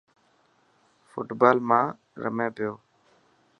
فوٽ بال مان رمي پيو.